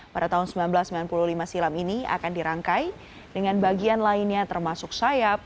pada tahun seribu sembilan ratus sembilan puluh lima silam ini akan dirangkai dengan bagian lainnya termasuk sayap